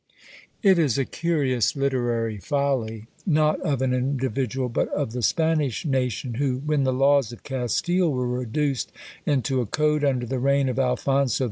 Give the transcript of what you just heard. It is a curious literary folly, not of an individual but of the Spanish nation, who, when the laws of Castile were reduced into a code under the reign of Alfonso X.